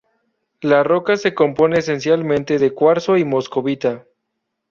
La roca se compone esencialmente de cuarzo y moscovita.